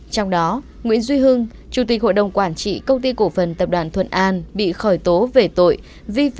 trong đó nguyễn duy hưng chủ tịch hội đồng quản trị công ty cổ phần tập đoàn thuận an bị khởi tố về tội